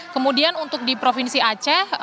kemudian untuk di provinsi aceh